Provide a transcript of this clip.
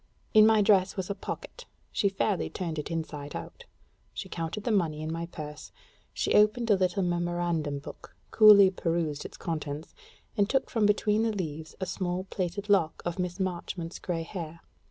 In my dress was a pocket; she fairly turned it inside out; she counted the money in my purse; she opened a little memorandum book, coolly perused its contents, and took from between the leaves a small plaited lock of Miss Marchmont's gray hair.